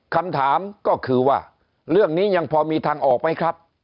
คำถามก็คือว่าเรื่องนี้ยังพอมีทางออกไหมครับ